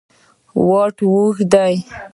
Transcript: واټ اوږد دی.